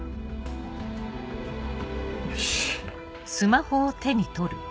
よし。